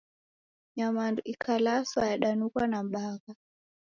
Nyamandu ikalaswa yadanughwa na bagha.